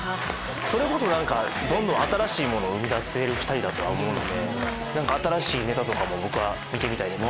それこそ新しいものを生み出せる２人だと思うので新しいネタとかも見てみたいですね。